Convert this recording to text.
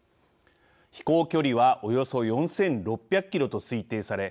飛行距離はおよそ４６００キロと推定され